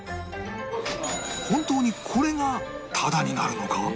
本当にこれがタダになるのか？